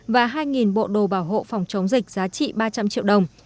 và hai bộ đồ bảo hộ phòng chống dịch giá trị ba trăm linh triệu đồng